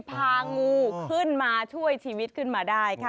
พางูขึ้นมาช่วยชีวิตขึ้นมาได้ค่ะ